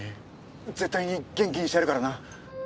絶対に元気にしてやるからな。